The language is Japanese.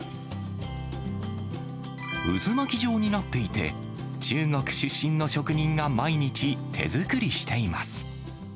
渦巻き状になっていて、中国出身の職人が毎日、手作りしています。